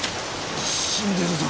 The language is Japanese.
死んでるぞ。